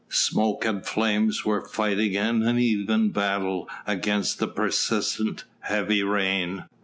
Smoke and flames were fighting an uneven battle against the persistent, heavy rain.